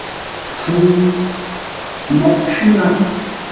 Mpfu yi mǒghʼ cwí lâʼ.